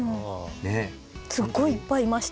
すごいいっぱいいました。